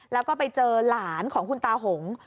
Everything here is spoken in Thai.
แล้วก็ไปเจอหลานของคุณตาหง